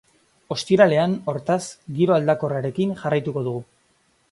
Ostiralean, hortaz, giro aldakorrarekin jarraituko dugu.